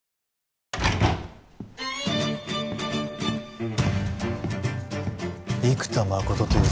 うん？